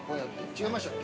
違いましたっけ？